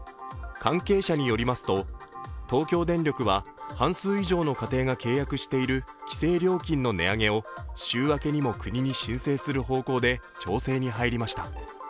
関係者によりますと東京電力は半数以上の家庭が契約している規制料金の値上げを週明けにも国に申請する方向で調整に入りました。